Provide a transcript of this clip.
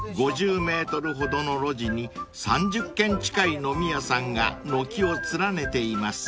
［５０ｍほどの路地に３０軒近い飲み屋さんが軒を連ねています］